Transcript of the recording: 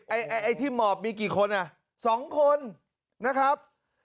ไอ้ที่หมอบมีกี่คนอ่ะ๒คนนะครับ